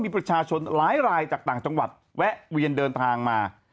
มีประชาชนหลายรายจากต่างจังหวัดแวะเวียนเดินทางมา